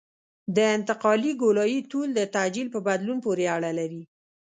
د انتقالي ګولایي طول د تعجیل په بدلون پورې اړه لري